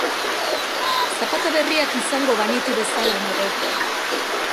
Zapata berriak izango banitu bezala nago.